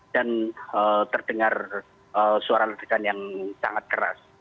dan terdengar suara ledakan yang sangat keras